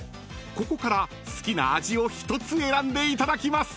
［ここから好きな味を１つ選んでいただきます］